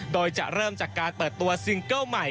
โดยจะเริ่มจากการเปิดตัวซิงเกิ้ลใหม่